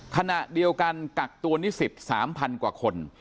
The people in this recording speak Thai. ขณะเดียวกันกักตัวนิสิต๓๐๐กว่าคน